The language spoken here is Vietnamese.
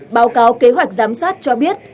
báo cáo kế hoạch giám sát cho biết